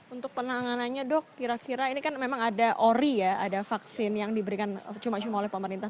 untuk penanganannya dok kira kira ini kan memang ada ori ya ada vaksin yang diberikan cuma cuma oleh pemerintah